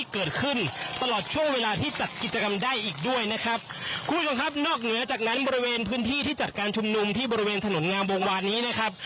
คุณผู้ชมครับนอกเหนือจากนั้นบริเวณพื้นที่ที่จัดการชุมนุมที่บริเวณถนนงามวงวานนี้นะครับ